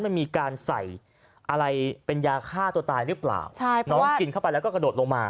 มันมีการใส่อะไรเป็นยาฆ่าตัวตายหรือเปล่าใช่ค่ะน้องกินเข้าไปแล้วก็กระโดดลงมา